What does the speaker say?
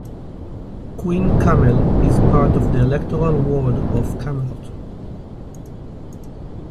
Queen Camel is part of the electoral ward of Camelot.